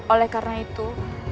oleh karena itu